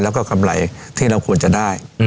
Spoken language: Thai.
แล้วก็กำไรที่เราควรจะได้